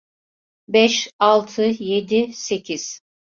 Beş, altı, yedi, sekiz…